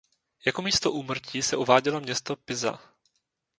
Jako místo úmrtí se uvádělo město Pisa.